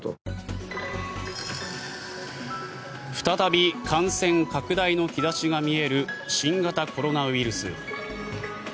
再び感染拡大の兆しが見える新型コロナウイルス。